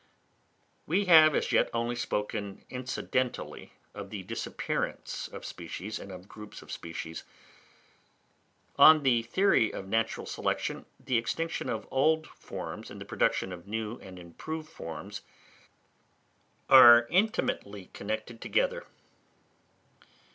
_ We have as yet only spoken incidentally of the disappearance of species and of groups of species. On the theory of natural selection, the extinction of old forms and the production of new and improved forms are intimately connected together.